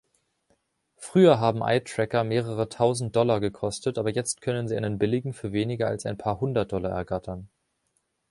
Früher haben Eye Tracker mehrere tausend Dollar gekostet, aber jetzt können Sie einen billigen für weniger als ein paar hundert Dollar ergattern.